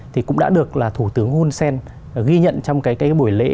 thì cũng đã được là thủ tướng hun sen ghi nhận trong cái buổi lễ